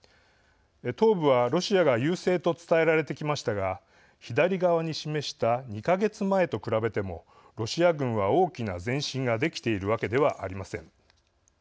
東部は、ロシアが優勢と伝えられてきましたが左側に示した２か月前と比べてもロシア軍は大きな前進ができているわけではありません。